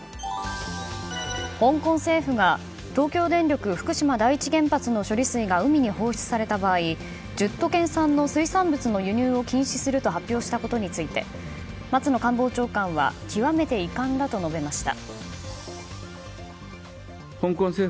香港政府が東京電力福島第一原発の処理水が海に放出された場合１０都県産の水産物の輸入を禁止すると発表したことについて松野官房長官は極めて遺憾だと述べました。